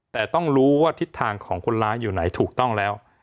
แต่ต้องรู้ว่าทิศทางของคนร้ายอยู่ไหนถูกต้องแล้ว